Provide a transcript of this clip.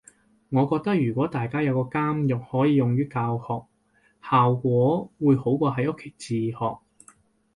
我覺得如果大家有個監獄可以用於教學，效果會好過喺屋企自學